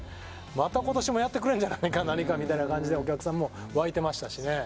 また今年もやってくれるんじゃないか、何かみたいな感じでお客さんも沸いてましたしね。